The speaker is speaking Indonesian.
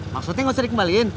maksudnya gak usah dikembalikan